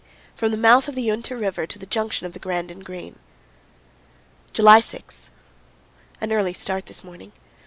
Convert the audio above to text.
FROM THE MOUTH OF THE UINTA RIVER TO THE JUNCTION OF THE GRAND AND GREEN. JULY 6. An early start this morning.